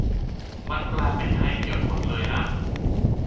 มันแปลเป็นไทยเกือบหมดเลยอ่ะ